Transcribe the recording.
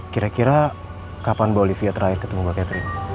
kira kira kapan mbak olivia terakhir ketemu mbak catherine